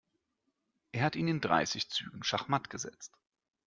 Er hat ihn in dreißig Zügen schachmatt gesetzt.